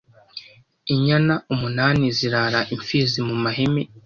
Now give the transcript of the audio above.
Inyana umunani zirara imfizi mu maheme